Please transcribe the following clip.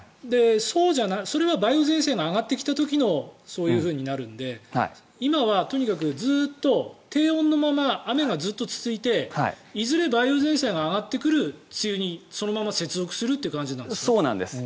それは梅雨前線が上がってきた時のそういうふうになるので今はとにかくずっと低温のまま雨がずっと続いていずれ梅雨前線が上がってくる梅雨にそのまま接続するという感じなんですね。